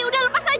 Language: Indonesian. udah lepas aja